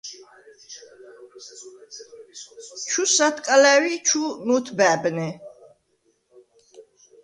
– ჩუ ს’ათკალა̈უ̂ ი ჩუ მ’ოთბა̄̈ბნე.